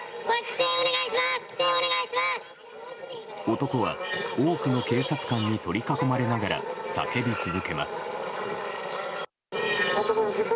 男は多くの警察官に取り囲まれながら叫び続けます。